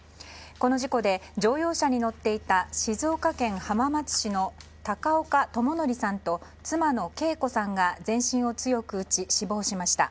この事故で乗用車に乗っていた静岡県浜松市の高岡智紀さんと妻の恵子さんが全身を強く打ち死亡しました。